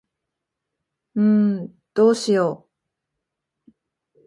んーどうしよ。